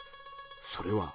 それは。